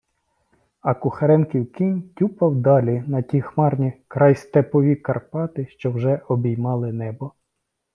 А Кухаренків кінь тюпав далі на ті хмарні крайстепові Карпати, що вже обіймали небо.